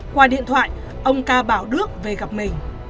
qua điện thoại ông ca bảo đức về gặp mình